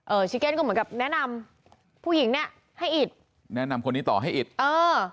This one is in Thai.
ชิเก้นก็เหมือนกับแนะนำผู้หญิงเนี้ยให้อิดแนะนำคนนี้ต่อให้อิดเออ